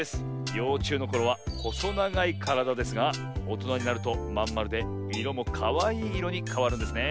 ようちゅうのころはほそながいからだですがおとなになるとまんまるでいろもかわいいいろにかわるんですね。